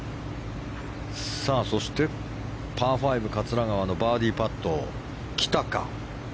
そしてパー５桂川のバーディーパット。